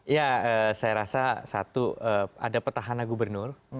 ya saya rasa satu ada petahana gubernur